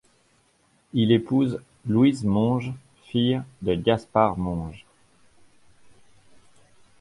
Il épouse Louise Monge, fille de Gaspard Monge.